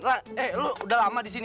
kamu sudah lama di sini